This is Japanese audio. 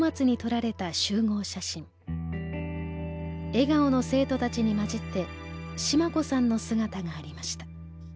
笑顔の生徒たちに交じってシマ子さんの姿がありました。